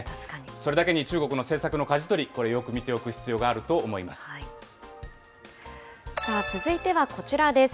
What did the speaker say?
それだけに中国の政策のかじ取り、これ、よく見ておく必要があると続いてはこちらです。